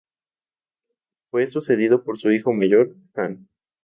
Fue sucedido por su hijo mayor, Jano.